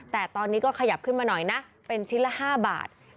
แต่ตอนนี้ก็ขยับขึ้นมาหน่อยนะเป็นชิ้นละ๕บาท